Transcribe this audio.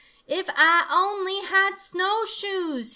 "If Ah only had snowshoes!"